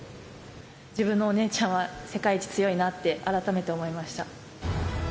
自分のお姉ちゃんは世界一強いなって、改めて思いました。